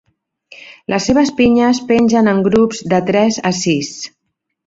Les seves pinyes pengen en grups de tres a sis.